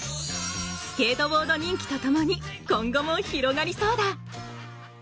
スケートボード人気とともに今後も広がりそうだ。